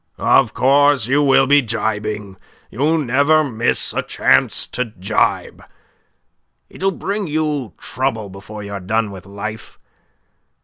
"Of course you will be gibing. You never miss a chance to gibe. It'll bring you trouble before you're done with life.